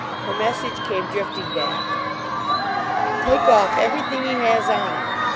Her mes sage came drifting back. "Take off everything he has on!"